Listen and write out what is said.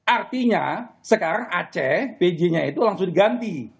artinya sekarang aceh pj nya itu langsung diganti